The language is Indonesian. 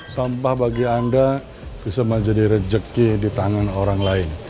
sampah bagi anda bisa menjadi rejeki di tangan orang lain